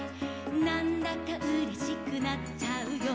「なんだかうれしくなっちゃうよ」